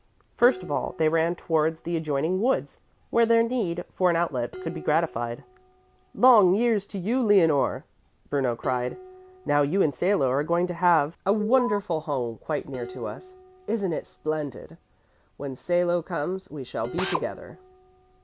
First of all they ran towards the adjoining woods, where their need for an outlet could be gratified. "Long years to you, Leonore!" Bruno cried. "Now you and Salo are going to have a wonderful home quite near to us. Isn't it splendid! When Salo comes, we shall be together."